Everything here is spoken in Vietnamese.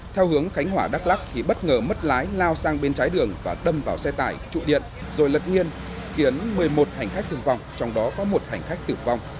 theo hướng khánh hỏa đắk lắc thì bất ngờ mất lái lao sang bên trái đường và đâm vào xe tải trụ điện rồi lật nghiên khiến một mươi một hành khách thương vong trong đó có một hành khách tử vong